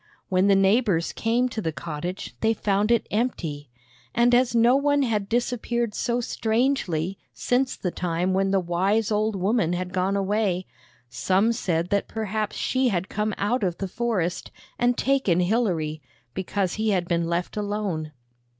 When the neighbors came to the cottage they found it empty; and as no one had disappeared so strangely since the time when the wise old woman had gone away, some said that perhaps she had come out of the forest and taken Hilary, because he had been left alone.